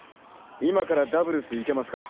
今からダブルスいけますか。